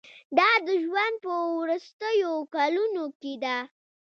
دا د ژوند په وروستیو کلونو کې ده.